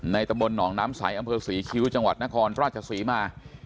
ในตะบนหนองน้ำใสอำเภอศรีชิ้วจังหวัดนครประวัติศรีมา